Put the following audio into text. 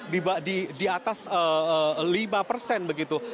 di atas lima persen begitu